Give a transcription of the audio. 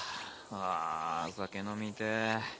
ああ酒飲みてぇ。